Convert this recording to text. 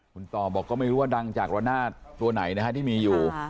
คุณต่อบอกก็ไม่รู้ว่าดังจากระนาดตัวไหนนะฮะที่มีอยู่